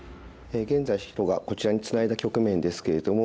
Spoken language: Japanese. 現在白がこちらにツナいだ局面ですけれども。